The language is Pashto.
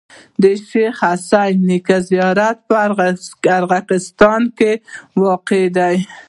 د شيخ حسن نیکه زیارت په ارغستان کي واقع دی.